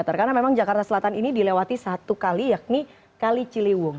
karena memang jakarta selatan ini dilewati satu kali yakni kali ciliwung